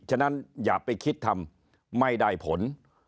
ฉะนั้นอย่าไปคิดทำไม่ได้ผล